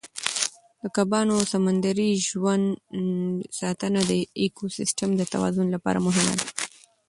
د کبانو او سمندري ژوند ساتنه د ایکوسیستم د توازن لپاره مهمه ده.